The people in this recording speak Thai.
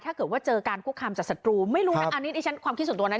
ถ้าเกิดว่าเจอการคุกคามจากศัตรูไม่รู้นะอันนี้ดิฉันความคิดส่วนตัวนะ